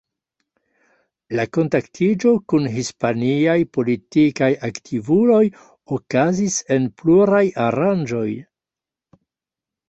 La kontaktiĝo kun hispaniaj politikaj aktivuloj okazis en pluraj aranĝoj.